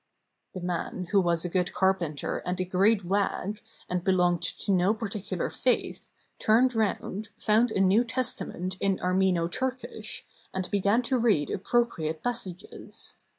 The man, who was a good carpenter and a great wag, and belonged to no particular faith, turned round, found a New Testament in Armeno Turkish, and began to read appropriate passages.